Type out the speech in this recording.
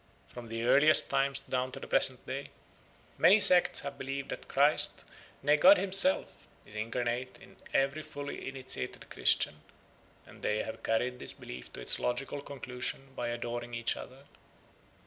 From the earliest times down to the present day many sects have believed that Christ, nay God himself, is incarnate in every fully initiated Christian, and they have carried this belief to its logical conclusion by adoring each other.